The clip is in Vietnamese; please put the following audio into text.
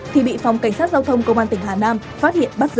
thì bị phòng cảnh sát giao thông công an tỉnh hà nam phát hiện bắt giữ